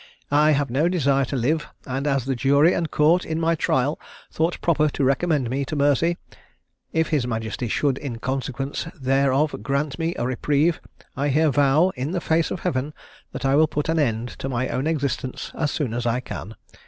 I have no desire to live; and as the jury and court in my trial thought proper to recommend me to mercy, if his majesty should in consequence thereof grant me a reprieve, I here vow in the face of Heaven, that I will put an end to my own existence as soon as I can.